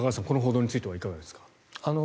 この報道についてはいかがですか？